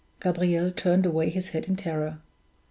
Gabriel turned away his head in terror.